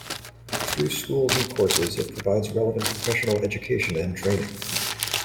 Through schools and courses it provides relevant professional education and training.